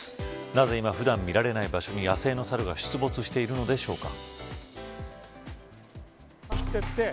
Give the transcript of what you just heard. なぜ今普段見られない場所に野生のサルが出没しているのでしょうか。